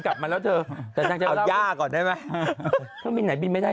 กลับมาแล้วเธอแต่นางจะเอาย่าก่อนได้ไหมเครื่องบินไหนบินไม่ได้